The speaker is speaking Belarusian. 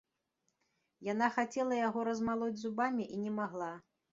Яна хацела яго размалоць зубамі і не магла.